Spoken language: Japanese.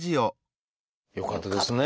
よかったですね。